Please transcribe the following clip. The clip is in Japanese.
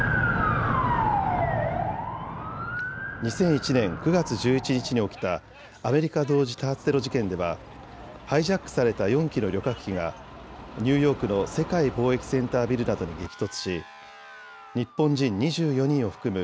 ２００１年９月１１日に起きたアメリカ同時多発テロ事件ではハイジャックされた４機の旅客機がニューヨークの世界貿易センタービルなどに激突し日本人２４人を含む